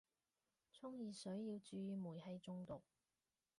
沖熱水要注意煤氣中毒